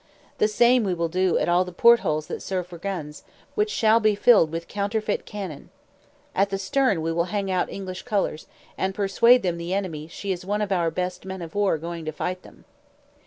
The same we will do at the port holes that serve for the guns, which shall be filled with counterfeit cannon. At the stern we will hang out English colours, and persuade the enemy she is one of our best men of war going to fight them."